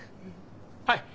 はい！